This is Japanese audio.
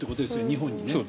日本にね。